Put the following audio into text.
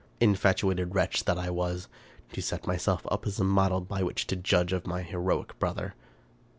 Infatuated wretch that I was ! To set myself up as a model by which to judge of my heroic brother